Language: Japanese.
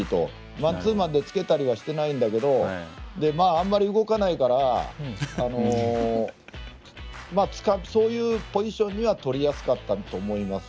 マンツーマンでつけたりはしていないんだけどあんまり動かないからそういうポジションにはとりやすかったと思います。